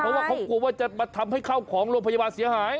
เพราะว่าเขากลัวว่าจะมาทำให้เข้าของโรงพยาบาลเสียหาย